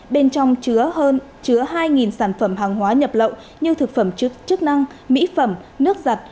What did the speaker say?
bên trong chứa hơn chứa hai sản phẩm hàng hóa nhập lậu như thực phẩm chức năng mỹ phẩm nước giặt